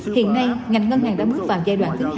hiện nay ngành ngân hàng đã bước vào giai đoạn thứ hai